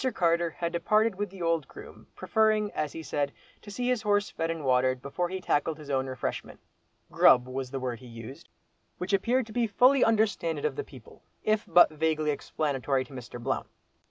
Carter had departed with the old groom, preferring, as he said, to see his horse fed and watered before he tackled his own refreshment; "grub" was the word he used, which appeared to be fully understanded of the people, if but vaguely explanatory to Mr. Blount.